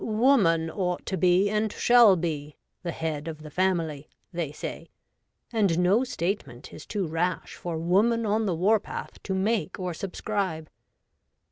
' Woman ought to be and shall be ' the head of the family, they say, and no statement is too rash for woman on the war path to make or subscribe.